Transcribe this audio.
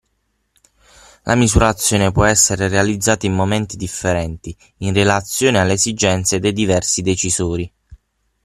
La misurazione può essere realizzata in momenti differenti in relazione alle esigenze dei diversi decisori.